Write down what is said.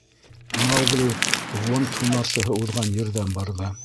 Маугли гонд һунарсыһы уҙған ерҙән барҙы.